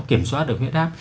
kiểm soát được huyết áp